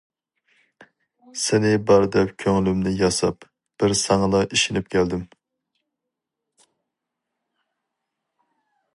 سىنى بار دەپ كۆڭلۈمنى ياساپ، بىر ساڭىلا ئىشىنىپ كەلدىم.